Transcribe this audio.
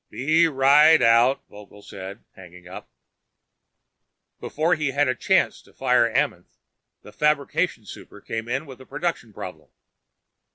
"Be right out," Vogel said, hanging up. Before he had a chance to fire Amenth, the Fabrication Super came in with a production problem.